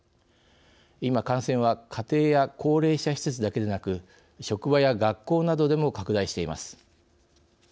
今、感染は家庭や高齢者施設だけでなく職場や学校などでも拡大しています。